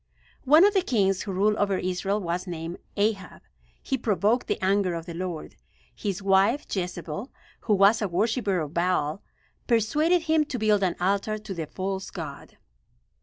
One of the kings who ruled over Israel was named Ahab. He provoked the anger of the Lord. His wife, Jezebel, who was a worshiper of Baal, persuaded him to build an altar to the false god.